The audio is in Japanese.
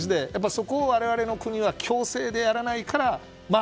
そこを我々国は強制でやらないから。